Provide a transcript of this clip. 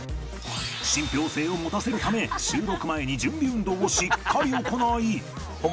信憑性を持たせるため収録前に準備運動をしっかり行い